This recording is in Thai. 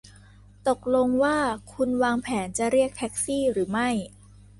ตกลงว่าคุณวางแผนจะเรียกแท็กซี่หรือไม่